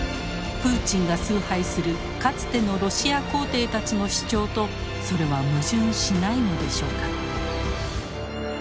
プーチンが崇拝するかつてのロシア皇帝たちの主張とそれは矛盾しないのでしょうか？